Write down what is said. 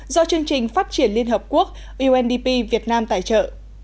do chương trình phát triển liên hợp quốc undp việt nam tài trợ